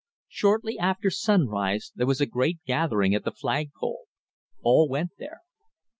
Shortly after sunrise there was a great gathering at the flag pole. All went there.